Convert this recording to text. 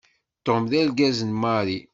Tom d argaz n Mary.